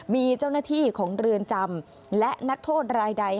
มีเจ้าหน้าที่ของเรือนจำและนักโทษรายใด